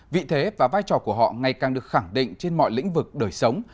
vị thế và vai trò của họ ngày càng được khẳng định trên mọi lĩnh vực đời sống